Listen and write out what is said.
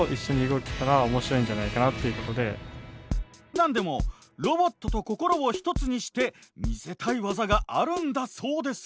何でもロボットと心を一つにして見せたい技があるんだそうです。